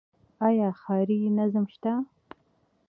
آیا ښاري نظم شته؟